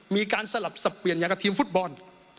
มีการสลับสับเปลี่ยนอย่างกับทีมฟุตบอล